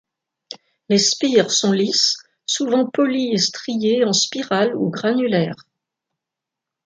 Les spires sont lisses, souvent polies et striées en spirale ou granulaires.